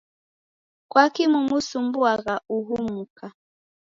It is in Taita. Kwaki mumsumbuagha uhu muka?